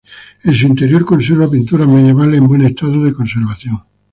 En su interior conserva pinturas medievales en buen estado de conservación.